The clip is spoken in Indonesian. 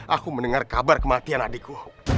aku mendengar kabar kematian adikku